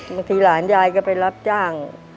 บางทีหลานยายก็ไปรับจ้าง